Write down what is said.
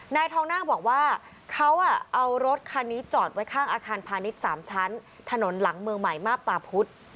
นายทองนาคบอกว่าเขาเอารถคันนี้จอดไว้ข้างอาคารพาณิชย์๓ชั้นถนนหลังเมืองใหม่มาบตาพุธ